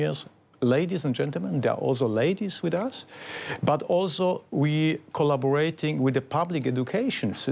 เพื่อให้คุณภูมิกับเราและคุณภูมิกับช่วงตำรวจนำตรวจ